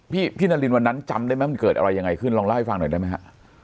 พี่พี่นารินวันนั้นจำได้ไหมมันเกิดอะไรยังไงขึ้นลองเล่าให้ฟังหน่อยได้ไหมฮะ